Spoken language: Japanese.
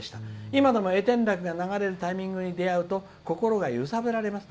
今でも越天楽が流れるタイミングがあると心が揺さぶられます。